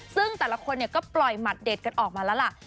ซึ่งแต่ละคนก็ปล่อยหมัดเด็ดกันออกมาแล้วล่ะ